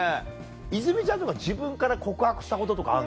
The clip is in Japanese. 泉ちゃんとか自分から告白したこととかあんの？